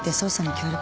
協力？